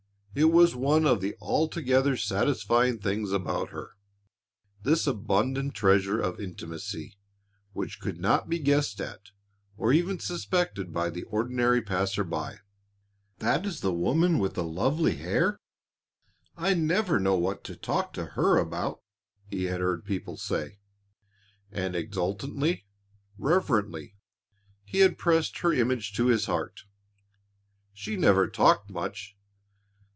It was one of the altogether satisfying things about her, this abundant treasure of intimacy which could not be guessed at or even suspected by the ordinary passer by. "That is the woman with the lovely hair? I never know what to talk to her about," he had heard people say, and exultantly, reverently, he had pressed her image to his heart. She never talked much.